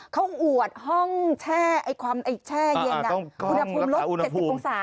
เขาอวดห้องแช่เย็นอุณหภูมิลด๗๐องศา